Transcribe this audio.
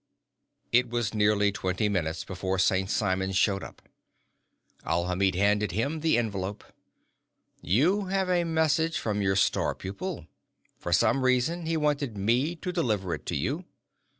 It was nearly twenty minutes before St. Simon showed up. Alhamid handed him the envelope. "You have a message from your star pupil. For some reason, he wanted me to deliver it to you.